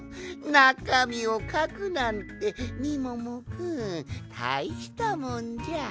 なかみをかくなんてみももくんたいしたもんじゃ。